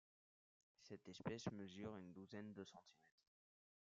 Cette espèce mesure une douzaine de centimètres.